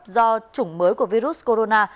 do chủng mới của virus corona